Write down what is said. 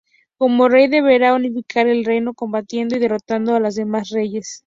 Como rey deberá unificar el reino combatiendo y derrotando a los demás reyes.